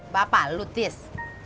bapak lu tis